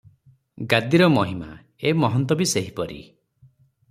ଗାଦିର ମହିମା - ଏ ମହନ୍ତ ବି ସେହିପରି ।